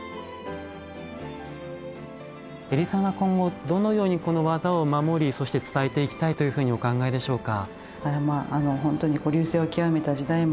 江里さんは今後どのようにこの技を守りそして伝えていきたいというふうにお考えでしょうか？